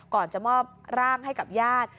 ก่อนจะมอบร่างให้กับญาติ